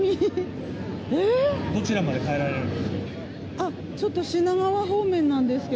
どちらまで帰られるんですか？